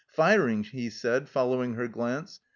" Firing," he said, following her glance.